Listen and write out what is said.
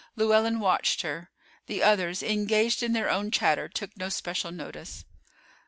Llewellyn watched her; the others, engaged in their own chatter, took no special notice.